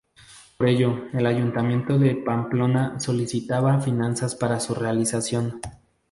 Por ello, el ayuntamiento de Pamplona solicitaba fianzas para su realización.